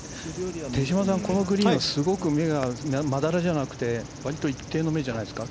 手嶋さん、このグリーンはすごく目がまだらじゃなくて、割と一定の目じゃないですか？